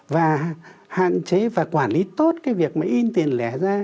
và hạn chế và quản lý tốt cái việc mà in tiền lẻ ra